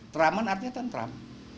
teraman artinya tentram